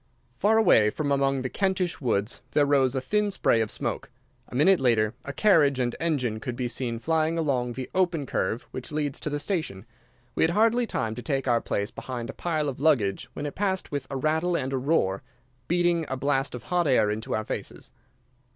Far away, from among the Kentish woods there rose a thin spray of smoke. A minute later a carriage and engine could be seen flying along the open curve which leads to the station. We had hardly time to take our place behind a pile of luggage when it passed with a rattle and a roar, beating a blast of hot air into our faces.